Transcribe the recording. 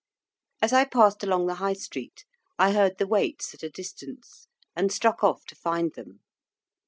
As I passed along the High Street, I heard the Waits at a distance, and struck off to find them.